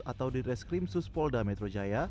atau dir skrim suspolda metro jaya